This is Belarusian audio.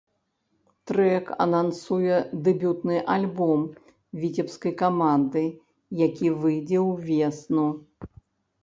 Трэк анансуе дэбютны альбом віцебскай каманды, які выйдзе ўвесну.